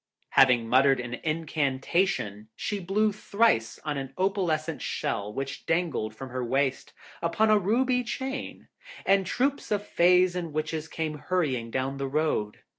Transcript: Having muttered an incantation, she blew thrice on an opalescent shell which dangled from her waist upon a ruby chain; and troops of Fays and Witches came hurrying down the road.